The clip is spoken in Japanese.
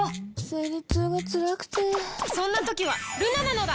生理痛がつらくてそんな時はルナなのだ！